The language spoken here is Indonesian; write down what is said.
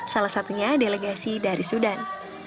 salah satunya delegasi dari sudan